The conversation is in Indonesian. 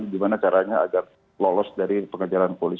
gimana caranya agar lolos dari pengejaran polisi